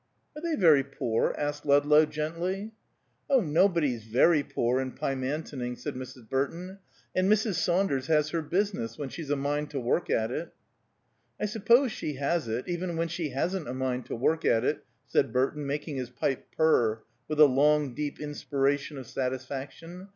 "Are they very poor?" asked Ludlow, gently. "Oh, nobody's very poor in Pymantoning," said Mrs. Burton. "And Mrs. Saunders has her business, when she's a mind to work at it." "I suppose she has it, even when she hasn't a mind to work at it," said Burton, making his pipe purr with a long, deep inspiration of satisfaction.